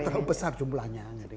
terlalu besar jumlahnya